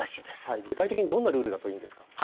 具体的にどんなルールだといいんですか。